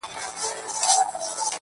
كړۍ ،كـړۍ لكه ځنځير ويـده دی.